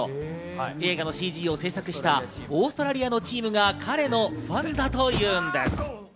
映画のＣＧを制作したオーストラリアのチームが彼のファンだというんです。